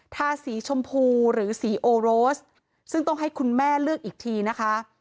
ทาสีชมพูหรือสีโอโรสซึ่งต้องให้คุณแม่เลือกอีกทีนะคะ